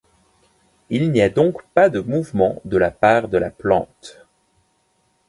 Il n'y a donc pas de mouvement de la part de la plante.